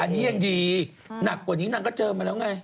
อันนี้ยังดีหนักกว่านี้นางก็เจอมาแล้วไง